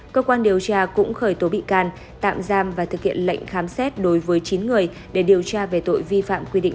cảnh sát cũng khởi tố bị can tạm giam và thực hiện lệnh khám xét đối với chín người để điều tra về tội vi phạm quy định